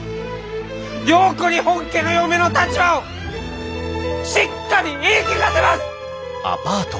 良子に本家の嫁の立場をしっかり言い聞かせます！